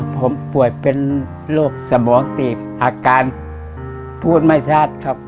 ผมป่วยเป็นโรคสมองตีบอาการพูดไม่ชัดครับ